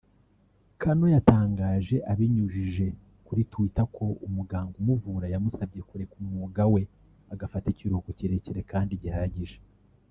Cannon yatangaje abinyujije kuri Twitter ko umuganga umuvura yamusabye kureka umwuga we agafata ikiruhuko kirekire kandi gihagije